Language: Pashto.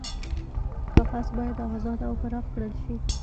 قفس باید ازاد او پراخ کړل شي.